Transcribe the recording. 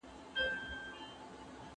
ځینې استادان د ځان ښودنې لپاره شاګردان روزي.